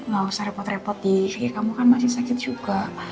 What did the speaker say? gak usah repot repot nih kayak kamu kan masih sakit juga